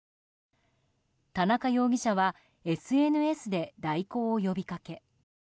田中容疑者はＳＮＳで代行を呼びかけ。